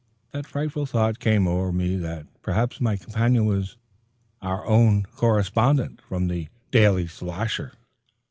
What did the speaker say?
The frightful thought came o'er me that perhaps my companion was "our own correspondent" for the "Daily Slasher!"